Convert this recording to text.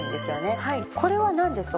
これは何ですか？